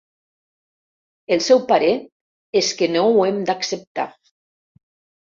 El seu parer és que no ho hem d'acceptar.